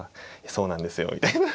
「そうなんですよ」みたいな。